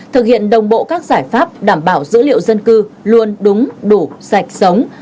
thực hiện đồng bộ các giải pháp đảm bảo dữ liệu dân cư luôn đúng đủ sạch sống